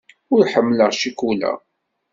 Ur ḥemmleɣ ccikula.